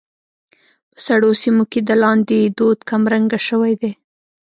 په سړو سيمو کې د لاندي دود کمرنګه شوى دى.